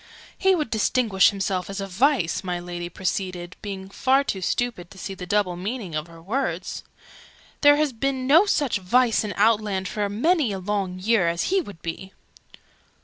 "He would distinguish himself as a Vice!" my Lady proceeded, being far too stupid to see the double meaning of her words. "There has been no such Vice in Outland for many a long year, as he would be!"